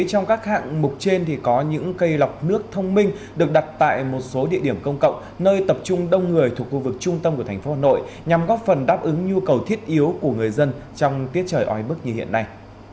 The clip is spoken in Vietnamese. trong các hạng mục trên có những cây lọc nước thông minh được đặt tại một số địa điểm công cộng nơi tập trung đông người thuộc khu vực trung tâm của thành phố hà nội nhằm góp phần đáp ứng nhu cầu thiết yếu của người dân trong tiết trời ói bức như hiện nay